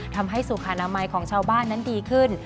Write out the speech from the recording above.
ทำให้สุขอนามัยของชาวบ้านนั้นดีขึ้น